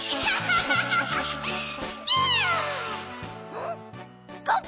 うん？